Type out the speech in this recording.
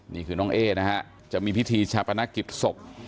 นี่คือน้องเอ๊นะฮะจะมีพิธีชาปนกิจศพ